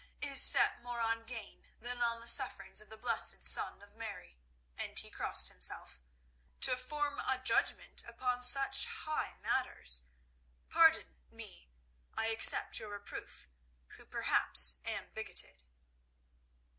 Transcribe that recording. is set more on gain than on the sufferings of the blessed Son of Mary," and he crossed himself, "to form a judgment upon such high matters? Pardon me, I accept your reproof, who perhaps am bigoted."